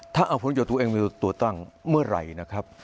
ถ้าเอาผลประโยชน์ตัวเองเป็นตัวตั้งเมื่อไหร่นะครับ